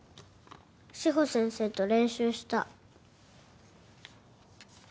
志保先生と練習した。